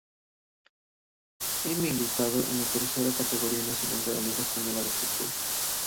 Ha militado en la Tercera categoría nacional de la liga española de fútbol.